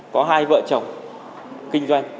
có hai vợ chồng kinh doanh